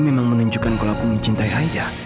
memang menunjukkan kalau aku mencintai aida